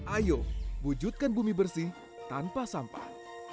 ayo wujudkan bumi bersih tanpa sampah